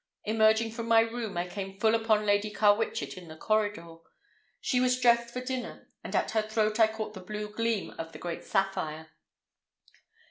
Emerging from my room I came full upon Lady Carwitchet in the corridor. She was dressed for dinner, and at her throat I caught the blue gleam of the great sapphire.